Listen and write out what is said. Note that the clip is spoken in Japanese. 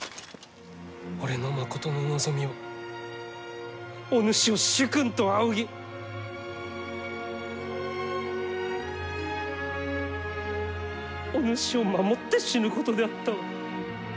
俺のまことの望みはお主を主君と仰ぎお主を守って死ぬことであったわ。